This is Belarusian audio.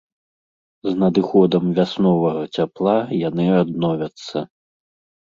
З надыходам вясновага цяпла яны адновяцца.